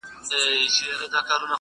• په ځنګله کي د خپل ښکار په ننداره سو -